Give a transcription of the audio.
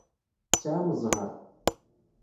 Tesɛam zzheṛ.